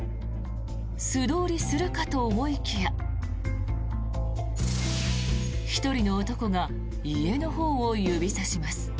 素通りするかと思いきや１人の男が家のほうを指さします。